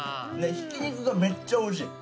ひき肉がめっちゃおいしい。